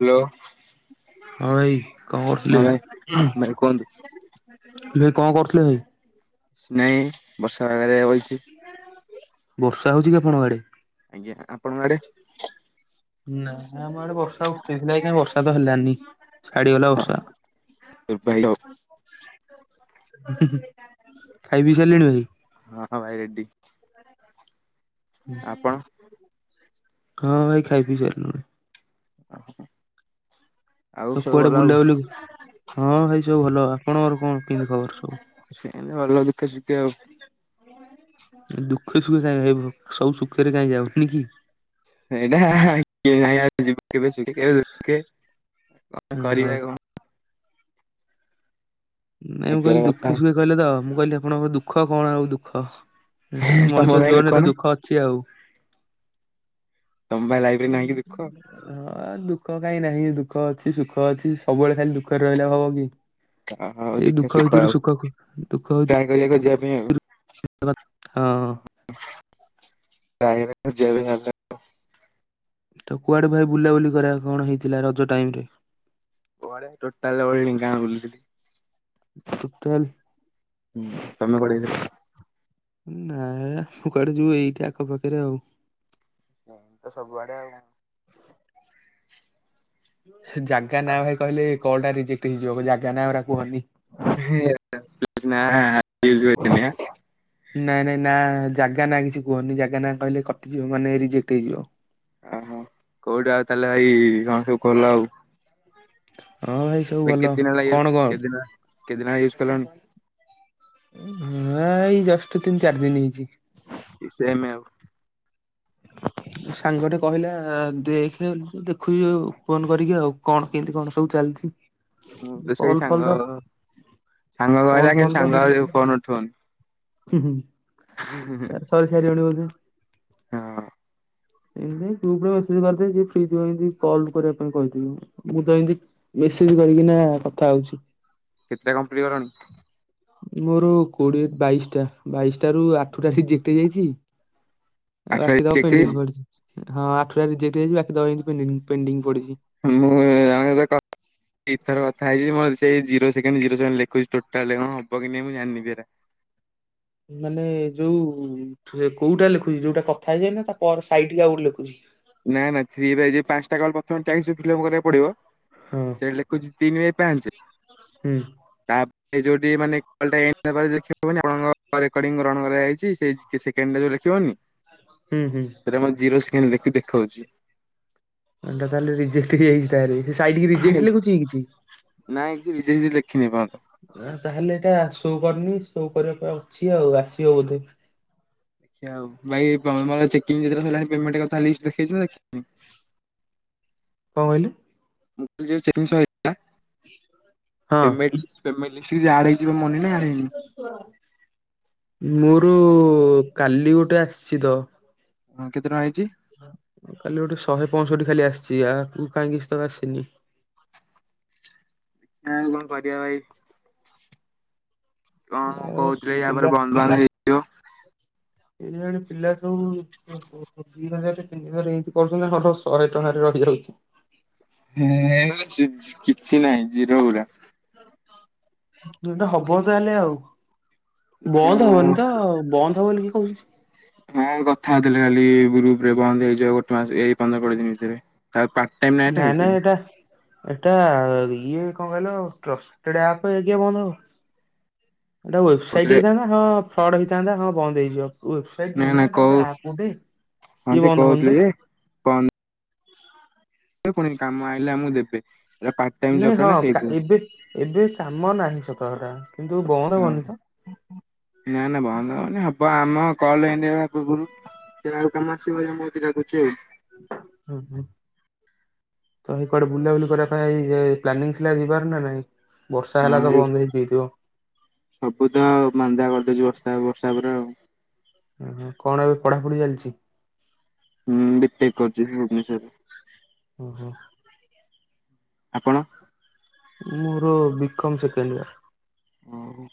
Hello ଆଁ ଏଇ। କଣ ହଁ କରୁଥିଲେ ଭାଇ ଭାଇ କୁହନ୍ତୁ। ଭାଇ କଣ କରୁଥିଲେ ଭାଇ? ନାଇଁ ବର୍ଷା ପାଗରେ ବଇଛି। ବର୍ଷା ହଉଛି କି ଆପଣଙ୍କ ଆଡେ? ଆଜ୍ଞା ଆପଣଙ୍କ ଆଡେ? ନା ଆମ ଆଡେ ବର୍ଷା ଉଠେଇଥିଲା, ବର୍ଷା ତ ହେଲାନି ଛାଡିଗଲା ବର୍ଷା। ଭାଇ ଆଉ ଖାଇ ପି ସାରିଲେଣି ଭାଇ? ହଁ ଭାଇ ରେଡି। ଆପଣ? ହଁ ଭାଇ ଖାଇ ପିଇ ସାରିଲୁଣି। ଓ ହୋ। ତ କୁଆଡେ ବୁଲା ବୁଲି ହଁ ଭାଇ ସବୁ ଭଲ ଆପଣଙ୍କର କଣ କେମିତି ଖବର ସବୁ? ସେମିତି [unintelligible] ଦୁଃଖ ସୁଖ କାଇଁ ରହିବୁ ସବୁ ସୁଖରେ କାଇଁ ଯାଉନି କି? [unintelligible] କଣ ଓହୋ କରିବା କଣ? ନାଇଁ ମୁଁ ଭାଗ୍ୟର କହିଲି କଥା ଦୁଃଖୀ ସୁଖୀ କହିଲେ ତ ମୁଁ କହିଲି ଆପଣଙ୍କର ଦୁଃଖ କଣ ଆଉ ଦୁଃଖ? ତମ ମଣିଷ ଭାଇ ଜୀବନରେ ତ ନାହିଁ ଦୁଃଖ ଅଛି ଆଉ। ତମ ଭାଇ ଲାଇଫରେ ନାହିଁ କି ଦୁଃଖ ହଁ ଦୁଃଖ କାହିଁ ନାହିଁ ଦୂ ଦୁଃଖ ଅଛି ସୁଖ ଅଛି ସବୁବେଳେ ଖାଲି ଦୁଃଖରେ ରହିଲା ହବ କି? ଆଉ ଏଇ ଦେଖିବା ଦୁଃଖ ଆଉ ଭିତରୁ ସୁଖ ଖୋ ଖୋଜି ଦୁଃଖ ଟ୍ରାଏ କରିବା ଖୋଜିବା ପାଇଁ ଆଉ ହଁ। [unintelligible] ତ କୁଆଡେ ଭାଇ ବୁଲାବୁଲି କରିବା କଣ ହେଇଥିଲା ରଜ ଟାଇମରେ? ପରେ ଟୋଟାଲ ଭଳି ଗାଁ ବୁଲୁଥିଲି। [unintelligible] ହୁଁ ତମେ କୁଆଡେ ଯାଇଥିଲ? ନାଇଁ ମୁଁ କାଆଡେ ଯିବି ଏଇଠି ଆଖପାଖରେ ଆଉ। ସେ ତ ସବୁଆଡେ ଆଉ। ଜାଗା ନାଁ ଭାଇ କହିଲେ କଲ ଟା ରିଜେକ୍ଟ ହେଇଯିବ ଜାଗା ନାଁ ଅରା କୁହନି। [unintelligible] ନାଇଁ ନାଇଁ ନା ଜାଗା ନା କିଛି କୁହନି ଜାଗା ନା କହିଲେ କଟିଯିବ ମାନେ ରିଜେକ୍ଟ ହେଇଯିବ। ଓହୋ କୋଉଠି ଆଉ ତାହେଲେ ଭାଇ କଣ ସବୁ କଲ ଆଉ? ହଁ ଭାଇ ସବୁ ଭଲ କେତେ ଦିନ ହେଲା କଣ କଣ କେତେ ଦିନ କେତେ ଦିନ ହେଲା ୟୁଜ କଲଣି? ହଁ ଏଇ ଜଷ୍ଟ ତିନି ଚାରି ଦିନ ହେଇଛି। ସେମ ଆଉ। ସାଙ୍ଗଟେ କହିଲା ଦେଖ ଦେଖୁଛି ନ କରିକି ଆଉ କଣ କେମିତି କଣ ସବୁ ଚାଲିଛି? ତ ସେଇ କଲ ଫଲ ସାଙ୍ଗ ତ ସାଙ୍ଗ କହିଲା କିନ୍ତୁ ସାଙ୍ଗ ଫୋନ ଉଠଉନି। ହଁ ହଁ ତାର ସବୁ ସାରିବଣି ବୋଧେ। ହଁ ଏମତି ଗ୍ରୁପରେ ମେସଜ କରିଦେଇଛି ଯିଏ ଫ୍ରି ହୋଇଥିବ ମତେ କଲ କରିବା ପାଇଁ କହିଥିଲି, ମୁଁ ତ ଏମତି ଥି କରିକିନା କଥା ହଉଛି। କେତେଟା କମ୍ପଲିଟ ଗଲାଣି? ମୋର କୋଡିଏ ବାଇଶଟା ବାଇଶଟ ରୁ ଆଠଟା ରିଜେକ୍ଟ ହୋଇ ଯାଇଛି। ଆଠଟା ବାକି ତକ ରିଜେକ୍ଟ ପେଣ୍ଡିଙ୍ଗ୍ ହେଇଛି ପଡିଛି ହଁ ଆଠଟା ରିଯେକ୍ଟ ହେଇଛି ବାକିତକ ଏମିତି ପେଣ୍ଡିଙ୍ଗ ପଡିଛି। [unintelligible] ସେଇ ଜିରୋ ସେକେଣ୍ଡ ଜିରୋ ସେକେଣ୍ଡ ଲେଖୁଛି ଟୋଟାଲ କଣ ହବ କି ନାଇ ମୁଁ ଜଜାଣିନି ବି ହେରା। ମାନେ ଯୋଉ କୋଉଟା ଲେଖୁଚି ଯୋଉଟା କଥା ହେଇଯାଏ ନା ତା ପରେ ସାଇଟ ଟା ଆଉ ଗୋଟେ ଲେଖୁଚି। ନା ନା ଥ୍ରୀ ପାଞ୍ଚଟା କଲ୍ ପ୍ରଥମେ ଚାଳିଶ ଫିଲବ୍ କରିବାକୁ ପଡିବ ହଁ ସେଇ ଲେଖୁଚି ତିନି ବାଇ ପାଞ୍ଚେ ହୁଁ ତା ଯୋଉି ମାନେଣଙ୍କ ଗ୍ରହଣ କରାଯାଇଛି ଦେଖିବନି ହୁଁ ହୁଁ ସେଟା ମର ଜିରୋ ସେକେଣ୍ଡ ଦେଖି ଦେଖଉଚି। ସେଟା ତାହେଲେ ରିଜେକ୍ଟ ହେଇଯାଇଚି ତାହେଲେ। ହେ ସାଇଟ୍ କୁ ରେଜେକ୍ଟ ଲେଖୁଛି କି କିଛି? ନାଇଁ କିଛି ରିଜେକ୍ଟ ଫିଜେକ୍ଟ ଲେଖିନି ଏପର୍ଯ୍ୟନ୍ତ। ତାହେଲେ ଏଇଟା ସୋ କରିନି ସୋ କରିବା ପାଇଁ ଅଛି ଆଉ ଆସିବ ବୋଧେ। [unintelligible] ତିନି ଦିନ ହେଲାଣି ପେମେଣ୍ଟ କଥା କିଛି ଦେଖେଇଚି ନା ଦେଖେଇନି? କଣ କହିଲ? ହଁ [unintelligible] ଆଡ୍ ହେଇନି? ମୋର କାଲି ଗୋଟେ ଆସିଛି ତ ହଁ କେତେ ଟଙ୍କା ହେଇଛି? କାଲି ଗୋଟେ ଶହେ ପଁଅଷଠି ଖାଲି ଆସିଚି ୟାର୍ ମୁ କାହିଁକି ତ ଆସିନି। ଆଁ କଣ କରିଆ ଭାଇ? କଣ ଏ କହୁଥିଲି ୟାପରେ ବନ୍ଦବାନ୍ଦ୍ ହେଇଥିବ? ଏଇ ଜଣେ ପିଲା ଯୋଉ ଦି ହଜାର ତିନି ହଜାର ଏମତି କରୁଛନ୍ତିର ଶହେ ଟଙ୍କାରେ ର ରହୁଛୁ। କିଛି ନାହିଁ ଜିରୋ ପୁରା। ସେଟା ହବ ତାହେଲେ ଆଉ। ବନ୍ଦ ଦେଖିବା ହବନି ତ ବନ୍ଦ ହବ ବୋଲି କିଏ କହୁଛି? ହଁ କଥା ହଉଥିଲେ କାଲି ଗ୍ରୁପ ରେ ବନ୍ଦ ହେଇଯିବ ଗୋଟେ ମାସ ଏଇ ପନ୍ଦର କୋଡିଏ ଦିନ ଭିତରେ ପାର୍ଟ ଟାଇମ୍ ନା ଏଇଟା ନାଇଁ ହେଇତି ନାଇଁ ପାଇଁ। ଏଟା ଇଏ କଣ କହିଲ ଟ୍ରଷ୍ଟେଡ ଆପ୍ କିଆଁ ବନ୍ଦ ହବ। ଏଇଟା ୱେବସାଇଟ କହୁଥିଲେ ହେଇଥାନ୍ତା ହଁ ଫ୍ରଡ ହେଇଥାନ୍ତା ହଁ ବନ୍ଦ ହେଇଯିବ ୱେବସାଇଟ ନା ନୁହେଁ ନା ଏଟା କହୁ ଗୋଟେ ଆପ ଗୋଟେ ହଁ ଇଏ ଯେ ବନ୍ଦ ହବନି କହୁଥିଲେ ତ। ଯେ କ କାମ ଆଇଲେ ଆମକୁ ଦେବେ। ଏଇଟା ପାର୍ଟ ଟାଇମ ଜବ ନାଇଁ ଟା ହଁ ନା ସେଇଥିପାଇଁ ଏବେ ଏବେ କାମ ନାହିଁ ସତ ହେଟା କିନ୍ତୁ ବନ୍ଦ ହବନି ତ। [unintelligible] ସେଇ ଭଳିଆ ମୁଁ ବି ଡାକୁଚି ଆଉ। ହୁଁ ହୁଁ। ତଇ କୁଆଡେ ବୁଲାବୁଲି କରିବା ପାଇଁ ପ୍ଲାନିଂ ଥିଲା ଯିବାର ନା ନାଇଁ? ବର୍ଷା ହେଲା ହଁ ତ ଏଇ ବନ୍ଦ ହେଇକି ଯାଇଥିବ ସବୁ ତ ଆଉ ମାନ୍ଦା କରିଦେଉଛି ବର୍ଷା ବର୍ଷା ପୁରା ଆଉ। ହଁ ଓହୋ କଣ ଏବେ ପଢାପଢି ଚାଲିଛି? ହୁଁ ବିଟକ୍ କରୁଚି ଭୁବନେଶ୍ୱର୍ ରେ। ଓହୋ। ଆପଣ? ମୋର ବିକମ୍ ସେକେଣ୍ଡ ଇଅର୍। ହଉ।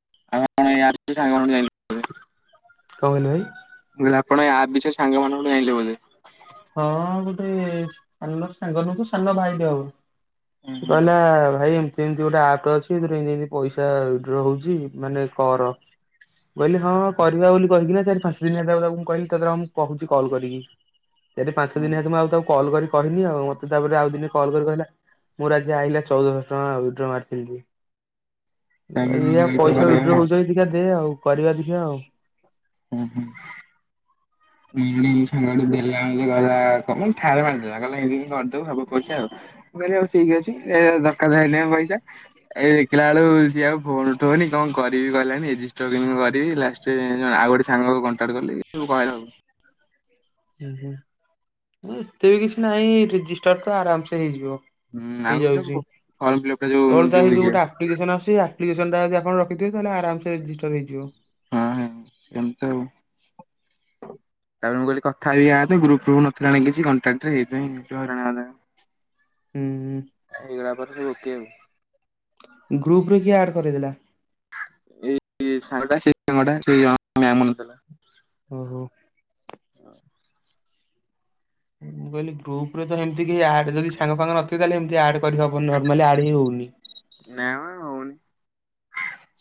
[unintelligible] କଣ୍ କହିଲେ ଭାଇ? ମୁଁ କହିଲି ଆପଣ ଏ ଆପ୍ ବିଷୟରେ ସାଙ୍ଗ ମାନଙ୍କଠୁ ଜାଇଁଲେ ବୋଧେ। ଗ ସାଙ୍ଗ ସାଙ୍ଗ ନୁହୁଁ ତ ସାଙ୍ଗ ଭାଇ ଟେ ହବ ସେ ହୁଁ କହିଲା ଭାଇ ଏମତି ଯେମିତି ଗୋଟେ ଆପ୍ ଅଛି ଏଥିରେ ଇନ୍ତି ଇନ୍ତି ପଇସା ୱିଡ୍ର ହଉଚି ମାନେ କର। କହିଲି ହଁ କରିବା ବୋଲି କହିକିନା ଚାରି ପାଞ୍ଚ ଦିନ ହେଲା ତା ମୁଁ କହିଲି ତାତେ ରହ ମୁଁ କହୁଛି କଲ୍ କରିକି। ଚ ପାଞ୍ଚ ହୁଁ। ଦିନ ହେତୁ ମୁଁ ଆଉ ତାକୁ କଲ୍ କରି କହିନି ଆଉ ମତେ ତାପରେ ଆଉ ଦିନେ କଲ୍ କରି କହିଲା ମୋର ଆଜି ଆଇଲା ଚଉଦ ହଜାର ଟଙ୍କା ଉଇଡ୍ର ମାରିଥିଲ ଯେ। ମୁଁ କହିଲି ଦେଖିଆ ପଇସା ଉଇଡ୍ର ହଉଚି ଯଦି ଦେଖିଆ ଦେ ଆଉ କରିବା ଦେଖିଆ ଆଉ। ହ ହ [unintelligible] ଗାଁ କୁ ଗଲା ବେଳେ [unintelligible] ମାନେ ଠାର ମାରିଦେଲା କହିଲା ଇମିତି କରିଦବୁ ସବୁ ପଇସା ଆଉ ମୁଁ କହିଲି ହଉ ଠିକ୍ ଅଛି ଏ ଦରକାର ଏଇନା ପଇସା ଏଇ ଦେଖିଲା ବେଳକୁ ସିଏ ଆଉ ଫୋନ ଉଠଉନି କଣ କରିବି କହିଲାନି ରେଜିଷ୍ଟର ମୁଁ କହିଲି ମୁଁ ମରିବି ଲାଷ୍ଟରେ ଯାଇଁ ଆଉ ଗୋଟେ ସାଙ୍ଗକୁ କଣ୍ଟାକ୍ଟ କଲି ଯୋଉ ହଇରାଣ ହୁଁ ହୁଁ ଏତେ ବି କିଛି ନାହିଁ ରେଜିଷ୍ଟର ତ ଆରାମ ସେ ହେଇଯିବ ହୁଁ ଆଉ ଯୋଉ ହେଇଯାଉଚି ଫର୍ମ ଫିଲପ ଟା ଯୋଉ କଣ ତା ହେଇ ଯୋଉ ଇଏ ଗୋଟେ ଆପ୍ଲିକେସନ ଆସୁଚି ସେଇ ଆପ୍ଲିକେ ସନ୍ ଟା ଯଦି ଆପଣ ରଖିଥିବେ ତାହେଲେ ଆରାମ ସେ ରେଜିଷ୍ଟର ହେଇଯିବ। ହଁ ସେମତ୍ ଆଉ। ତାପରେ ମୁଁ କହିଲି କଥା ହେଇ ଆ ତୁ ଆପରେ ଗ୍ରୁପ୍ ଫ୍ରୁପ୍ ନଥିଲା ନା କିଛି କଣ୍ଟାକ୍ଟରେ ହେଇଥିପାଇଁ ଟିକେ ହଇରାଣ ହେଇଗଲା ହୁଁ। ହୁଁ। ହେଇଗଲା ପରେ ସବୁ ଓକେ ଆଉ ଗ୍ରୁପରେ କିଏ ଆଡ୍ କରେଇଦେଲା? ଏଇ ସାଙ୍ଗଟା ସେଇ ସାଙ୍ଗଟା ସେଇ ଜଣଙ୍କ ନାଁ [unintelligible] ମନଥିଲା ଓ ହୋ [inaudible] ମୁଁ କହିଲି ଗ୍ରୁପରେ ତ ସେମତି କେହି ଆଡ ଯଦି ସାଙ୍ଗ ଫାଙ୍ଗ ନଥିବେ ତାହେଲେ ଏମତି ଆଡ କରିହବନି ନର୍ମାଲ୍ ଆଡ୍ ହିଁ ହଉନି। ନାମ ହଉନି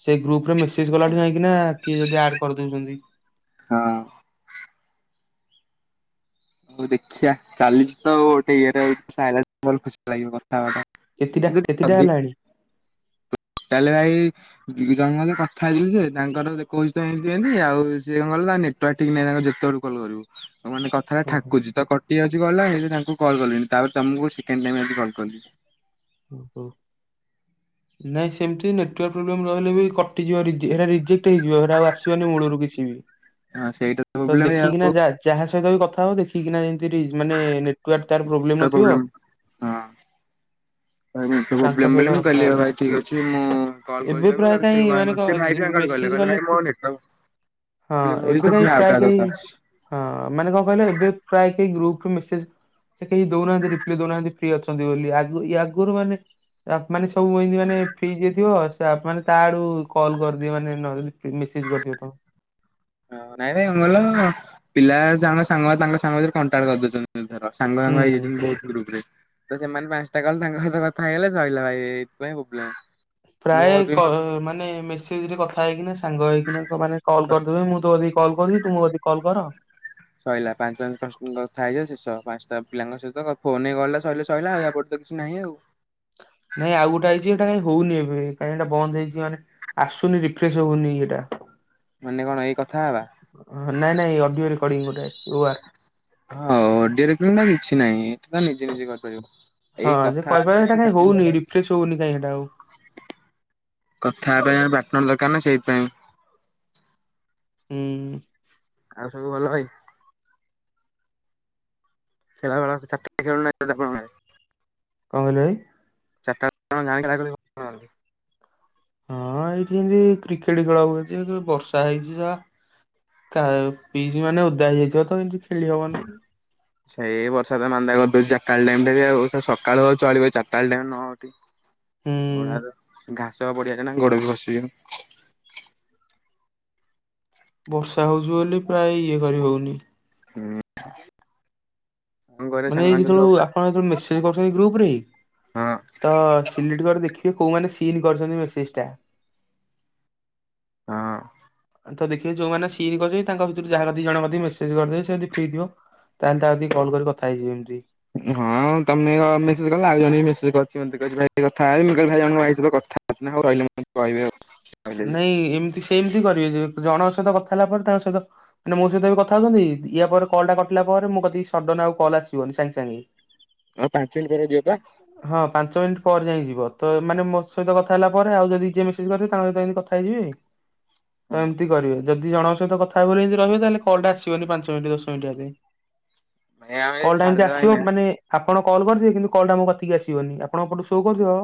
ସେ ଗ୍ରୁପରେ ମେସେଜ କଲାଠୁ ଯାଇଁ କିନା କିଏ ଯଦି ଆଡ୍ କରିଦଉଚନ୍ତି। ହଁ ହଉ ଦେଖିଆ ଚାଲିଚି ତ ଗୋଟେ ଇଏରେ [unintelligible] ଖୁସି ଲାଗିବ। [unintelligible] କେତିଟା କେତିଟା ହେଲାଣି। ଭାଇ ଦି ଜଣଙ୍କ ସହିତ କଥା ହେଇଥିଲି ଯେ ତାଙ୍କର ଦେଖଉଚି ତ ଏନ୍ତିି ଏନ୍ତି ସିଏ କଣ କହିଲ ତାଙ୍କ ନେଟୱର୍କ ଠିକ୍ ନାଇଁ ଯେତେବେଳୁ କଲ୍ କରିବୁ ମାନେ କଥାଟା ଓହୋ ଠାକୁଚି ତ କଟି ଯାଉଚି କଲ୍ ଟା ସେଇଥିପାଇଁ ତାଙ୍କୁ କଲ୍ କଲିନି ତାପରେ ତମୁକୁ ସେକଣ୍ଡ ଟାଇମ୍ ଆଜି କଲ୍ କଲି। ଓ ହୋ। ନାଇଁ ସେମତି ନେଟୱର୍କ ପ୍ରୋବ୍ଲେମ ରହିଲେ ବି କଟିଯିବ ରିଜେକ୍ ସେଇଟା ରିଜେକ୍ କେଟ୍ ହେଇଯିବ ସେଇଟା ଆଉ ଆସିବନି ମୂଳରୁ କିଛି ବି ହଁ ସେଇଟା ତ ପ୍ରୋବ୍ଲେମ୍ ଦେଖିକିନା ଆଉ ଯା ଯାହା ସହ [unintelligible] ବି କଥା ହବ ଦେଖିକିନା ଯାଇଁକି [unintelligible] ମାନେ ନେଟୱର୍କ ତାର ପ୍ରୋବ୍ଲେମ ନଥିବ [unintelligible] ତାଙ୍କ ପ୍ରୋବ୍ଲେମ ସହିତ ବୋଲି ମୁଁ କଥା କହିଲି ହେବେ ଭାଇ ଠିକ ଅଛି ମୁଁ କଲ୍ କରିବି ଏବେ ପ୍ରାୟ [unintelligible] କାହିଁ ମାନେ କ ସେ ଭାଇ ବି ମତେ ମେସେଜ କହିଲେ କହିଲେ ଭାଇ କଲେ ମୋ ନେଟୱର୍କ ହଁ ଏବେ କାହିଁ ପ୍ରାୟ କେହି ହଁ ମାନେ କଣ କହିଲ ଏବେ ପ୍ରାୟ କେହି ଗ୍ରୁପ ରେ ମେସେଜ କେହି ଦଉନାହାନ୍ତି୍ ରିପ୍ଲେ ଦଉନାହାନ୍ତିି ଫ୍ରି ଅଛନ୍ତି ବୋଲି ଆଗରୁ ୟାଗୁରୁ ମାନେ ମାନେ ସବୁ ଇନ୍ତିି ମାନେ ଫ୍ରି ଯିଏ ଥିବ ସିଏ ଆପ୍ ମାନେ ତା ଆଡୁ କଲ୍ କରିଦିଏ ମାନେ ନ [unintelligible] ସିଜ୍ କରି ଦିଏ ତ ହଁ ନାଇଁ ଭାଇ କଣ କହିଲ ପିଲା ତାଙ୍କ ସାଙ୍ଗ ତାଙ୍କ ସାଙ୍ଗ ଭିତରେ କଣ୍ଟାକ୍ଟ କରିଦଉଚନ୍ତି। ଧର ସାଙ୍ଗ ସାଙ୍ଗ ହୁଁ ହେଇଯାଇଚନ୍ତି ବହୁତ ଗ୍ରୁପରେ ତ ସେମାନେ ପାଞ୍ଚଟା କଲ୍ ତାଙ୍କ ସହିତ କଥା ହେଇଗଲେ ସଇଲା ଭାଇ ଏଇଥିପାଇଁ ପ୍ରୋବ୍ଲେମ୍। ପ୍ରାୟ କ ମାନେ ମେସେଜରେ କଥା ହେଇକିନା ସାଙ୍ଗ ଙ୍ଗ ହେଇକିନା ମାନେ କଲ୍ କରିଦଉଚନ୍ତି ମୁଁ ତୋ କତିକି କଲ୍ କରୁଚି ତୁ ମୋ କତିକି କଲ୍ କର। ସଇଲା ପାଞ୍ଚ ପାଞ୍ଚ [unintelligible] କଥା ହେଇଯିବ ଶେଷ। ପାଞ୍ଚଟା ପିଲାଙ୍କ ସହିତ ଫୋନ ହେଇଗଲେ ତ ସଇଲେ ସଇଲା ୟାପରେ ତ କିଛି ନାହିଁ ଆଉ। ନାଇଁ ଆଉ ଗୋଟେ ଆଇଚି ସେ କାଇଁ ହଉନି ଏବେ କାଇଁ ସେଇଟା ବନ୍ଦ ହେଇଚି ମାନେ ଆସୁନି ରିଫ୍ରେଶ୍ ହଉନି ଇଏଟା। ମାନେ କଣ ଏଇ କଥା ହବା ନାଇଁ ନାଇଁ ଅଡିଓ ରେକଡ଼ିଂ ଗୋଟେ ଆଇଚି ଓ ଆର୍ ହଁ ଅଡିଓ ରେକଡ଼ିଂଟା କିଛି ନାହିଁ ସେଟାତ ନିଜେ ନିଜେ କରି ପାରିବ। ହଁ ଯେ କରିପାରିବ ସେଟା କାଇଁ ହଉନି ରିଫ୍ରେଶ୍ ହଉନି କାଇଁ ସେଟା ଆଉ। କଥା ହେବା ପାଇଁ ପାର୍ଟନର ଦରକାର ନା ସେଇଥିପାଇଁ ହୁଁ ଆଉ ସବୁ ଭଲ ଭାଇ। ଖେଳ ବେଳ କଥା [inaudible] ଖେଳୁ ନାହାନ୍ତି ବୋଧେ ଆପଣ ଭାଇ। କଣ କହିଲ ଭାଇ? ଚାରଟା [inaudible] ତୋମ ଗାଁରେ ଖେଳା ଖେଳି କରୁନାହାନ୍ତି। ହଁ ଏଇଠି ଏମତି କ୍ରିକେଟ୍ ଖେଳ ହଉଚି। ଏ କି ବର୍ଷା ହେଇଚି ଯା କା- କିଜ୍ ମାନେ ଓଦା ହେଇଯାଇଥିବ ତ ଏମତି। ସେଇ ବର୍ଷା ତ ମାନ୍ଦା କର [unintelligible] ଚାଟା ବେଳ ଟାଇମ୍ ଟା ବି ଆଉ ତ ସକାଳୁ ଚଳିବ ଏଇ ଚାରଟାବେଳ ଟାଇମ୍ ନଉଠି ଗୋଡ ହୁଁ ହାତ ଘାସ ପଡିଆ ଟା ନା ଗୋଡ ବି ଖସୁଚୁ। ବର୍ଷା ହଉଚୁ ବୋଲି ପ୍ରାୟ ଇଏ କରି ହଉନି। ହୁଁ। ମାନେ ଯେତବେଳୁ ଆପଣ ଯେତେବେଳେ ମେସେଜ କରୁଛନ୍ତି ଗ୍ରୁପ୍ ରେ। ହଁ ତ ସିଲିଟ୍ କର ଦେଖ କି କୋଉମାନେ ସିନ୍ କରଛନ୍ତି ମେସେସ୍ ଟା? ହଁ। ତ ଦେଖିବେ ଯୋଉମାନେ ସିନ୍ କରିଥିବେ ତାଙ୍କ ଭିତରୁ ଯାହାର ଦି ଜଣ କତିକି ମେସେଜ କରିଦେବେ ସେ ଯଦି ଫ୍ରି ଥିବ। ତାହାନେ ତା କତିକି କଲ୍ କରି କଥା ହେଇଯିବ ଏମିତି। ହଁ ତୋମେ ହଁ ମେସେଜ କଲ ଆଉ ଜଣେ ବି ମେସେଜ କରିଛି ମୋତେ କହିଛି ଭାଇ କଥା ହେମି। ମୁଁ କହିଲି ଭାଇ ଜଣଙ୍କ ଭାଇ ସହିତ କ [inaudible] ନା ହଉ ରହିଲେ ମୁଁ କହିବେ। ସେ କହିଲେ ବି ନାଇଁ ଏମିତି ସେମିତି କରିବେ ଯୋଉ। ଜଣଙ୍କ ସହିତ କଥା ହେଲା ପରେ ତାଙ୍କ ସହିତ ଏଇନା ମୋ ସହିତ ଏବେ କଥା ହଉଛନ୍ତି। ଦି- ୟା ପରେ କଲ୍ ଟା କଟିଲା ପରେ ମୋ କତିକି ସୋଡ଼ନ୍ ନା ଆଉ କଲ୍ ଆସିବନି ସାଙ୍ଗେ ସାଙ୍ଗେ। ଆଉ ପାଞ୍ଚ ମିନିଟ ପରେ ଯିବ ପା ହଁ ପାଞ୍ଚ ମିନିଟ୍ ପର ଯାଇ ଯିବ। ତ ମାନେ ମୋ ସହିତ କଥା ହେଲା ପରେ ଆଉ ଯଦି ଯିଏ ମେସେଜ୍ କରିବେ ତାଙ୍କ ସହିତ ଏମିତି କଥା ହେଇଯିବି। ତ ଏମିତି କରିବେ। ଯଦି ଜଣଙ୍କ ସହିତ କଥାହେବେ ବୋଲି ଏମତି ରହିବେ ତାହେଲେ କଲ୍ ଟା ଆସିବନି ପାଞ୍ଚ ମିନିଟ୍ ଦଶ ମିନିଟ୍ ଆଗେ। ହଁ କଲ୍ ଟା ଏମତି ଆସିବ ମାନେ ଆପ୍ ଆପଣ କଲ୍ କରିିଥିବେ। କିନ୍ତୁ କଲ୍ ଟା ମୋ କତିକି ଆସିବନି ଆପଣଙ୍କ ପଟୁ ସୋ କରିଥିବ।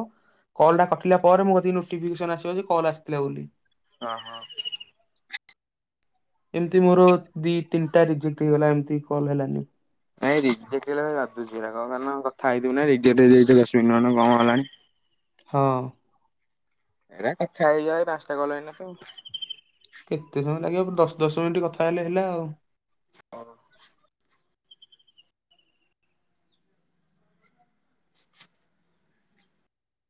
କଲ୍ ଟା କଟିଲା ପରେ ମୋ କତିକ ନୋଟିିଫିକେସନ୍ ଆସିବ ଯେ କଲ୍ ଆସିଥିଲା ବୋଲି। ହଁ, ହଁ। ଏମିତି ମୋର ଦି ତିନିଟା ରିଜେକ୍ଟ ହେଇଗଲା ଏମତି କଲ୍ ହେଲାନି। ନାଇଁ ରିଜେକ୍ଟ ହେଲା ମାନେ ବାଧୁଚି ହେରାକ। କଣ ପାଇଁନା କଥା ହେଇଥିବୁ ନା ରିଜେକ୍ଟ ହେଇଯାଇ ତେବେ ଆସିବନି ନା ନା କଣ ହେଲାଣି। ହଁ। ଏଟା କଥା ହେଇଯାଏ ପାନ୍ସ ଟା କଲ୍ ଏଇନା ତ କେତେ ସମୟ ଲାଗିବ ପୁ- ଦଶ ଦଶ ମିନିଟ୍ କଥା ହେଲେ ହେଲା ଆଉ। ହଁ।